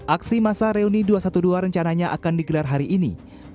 aksi masa reuni dua ratus dua belas rencananya akan digelar hari ini